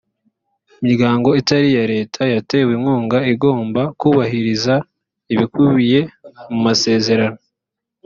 imiryango itari iya leta yatewe inkunga igomba kubahiriza ibikubiye mu masezerano